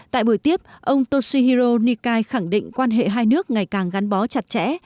tại buổi tiếp ông toshihiro nikai khẳng định quan hệ hai nước ngày càng gắn bó chặt chẽ